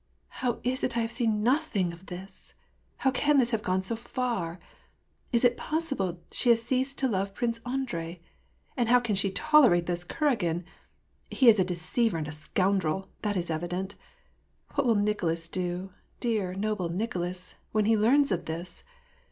'^ How is it I have seen nothing of this ? How can this have gone so far ? Is it possible she has ceased to love Prince Andrei ? And how can she tolerate this Kuragin ? He is a deceiver and a scoundrel — that is evident. AVhat will Nicolas do, dear, noble Nicolas, when he learns of this